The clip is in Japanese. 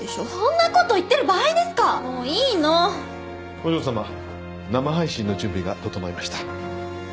お嬢様生配信の準備が整いました。